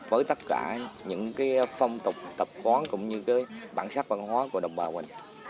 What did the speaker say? với tất cả những phong tục tập quán cũng như bản sắc văn hóa của đồng bào quê